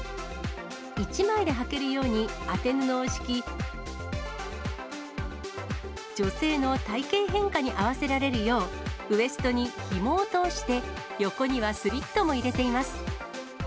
１枚ではけるように当て布を敷き、女性の体形変化に合わせられるよう、ウエストにひもを通して、横にはスリットも入れています。